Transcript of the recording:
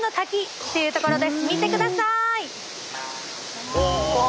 見てください！